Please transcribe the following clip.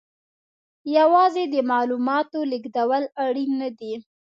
یوازې د معلوماتو لېږدول اړین نه دي.